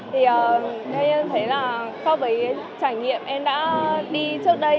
thì em thấy là có với trải nghiệm em đã đi trước đây